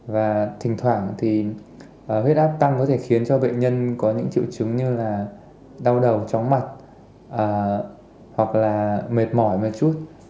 và thỉnh thoảng thì huyết áp tăng có thể khiến cho bệnh nhân có những triệu chứng như là đau đầu chóng mặt hoặc là mệt mỏi một chút